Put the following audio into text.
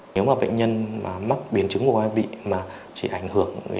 nếu mà bệnh nhân mắc biến chứng của quai bị mà chỉ ảnh hưởng